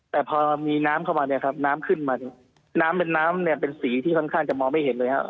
แต่พอมีน้ำเข้ามาเนี่ยครับน้ำขึ้นมาน้ำเป็นน้ำเนี่ยเป็นสีที่ค่อนข้างจะมองไม่เห็นเลยครับ